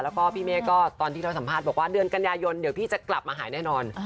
แล้วก็พี่เมฆก็ตอนที่เราสัมภาษณ์บอกว่าเดือนกันยายนเดี๋ยวพี่จะกลับมาหายแน่นอน